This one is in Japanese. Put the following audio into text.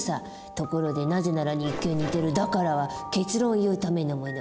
ところで「なぜなら」に一見似てる「だから」は結論を言うためのもの。